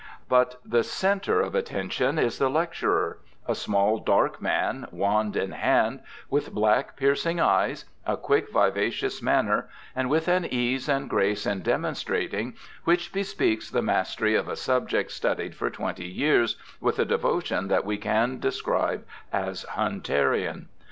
But the centre of attention is the lecturer — a small dark man, wand in hand, with black piercing eyes, a quick vivacious manner, and with an ease and grace in demonstrating, which bespeaks the mastery of a subject studied for twenty 3'ears with a devotion that we can describe as Hunterian.